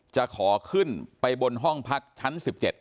จะขอขึ้นไปบนห้องพักชั้น๑๗